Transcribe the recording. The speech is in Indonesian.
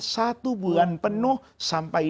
satu bulan penuh sampai